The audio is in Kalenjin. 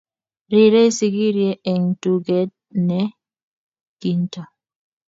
rorie sigirie eng' tuget ne kinto